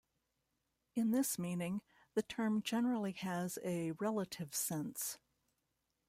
In this meaning, the term generally has a relative sense.